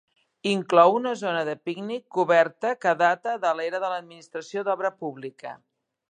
Inclou una zona de pícnic coberta que data de l'era de l'Administració d'Obra Pública.